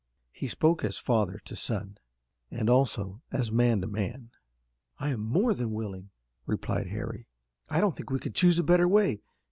He spoke as father to son, and also as man to man. "I'm more than willing," replied Harry. "I don't think we could choose a better way.